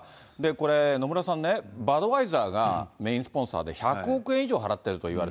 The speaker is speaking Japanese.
これ、野村さんね、バドワイザーがメインスポンサーで１００億円以上払ってると言わ